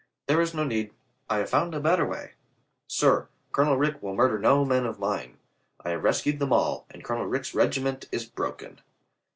"There is no need. I have found a better way. Sir, Colonel Rich will murder no men of mine. I have rescued them all, and Colonel Rich's regiment is broken."